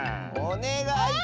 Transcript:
おねがい！